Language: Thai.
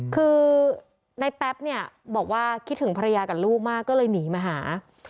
คือในแป๊บเนี่ยบอกว่าคิดถึงภรรยากับลูกมากก็เลยหนีมาหา